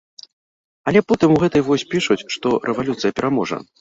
Але потым у гэтай вось пішуць, што рэвалюцыя пераможа.